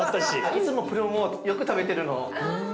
いつもプルーンをよく食べてるの。